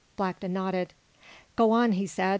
Blackton nodded. "Go on," he said.